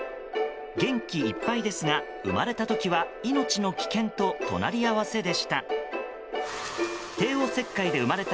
元気いっぱいですが生まれた時は命の危険と隣り合わせでした。